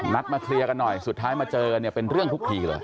มาเคลียร์กันหน่อยสุดท้ายมาเจอเนี่ยเป็นเรื่องทุกทีเลย